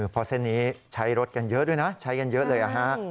เพราะเส้นนี้ใช้รถกันเยอะด้วยนะใช้กันเยอะเลยนะฮะ